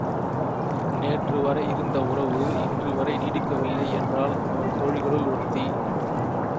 நேற்றுவரை இருந்த உறவு இன்றுவரை நீடிக்கவில்லை என்றாள் அவள் தோழிகளுள் ஒருத்தி.